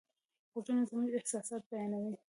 غږونه زموږ احساسات بیانوي.